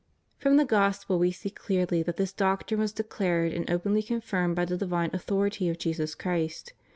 From the Gospel we see clearly that this doctrine was declared and openly confirmed by the divine authority of Jesus Christ.